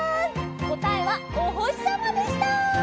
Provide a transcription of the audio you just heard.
こたえはおほしさまでした！